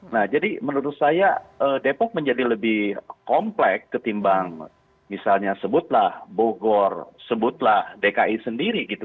nah jadi menurut saya depok menjadi lebih komplek ketimbang misalnya sebutlah bogor sebutlah dki sendiri gitu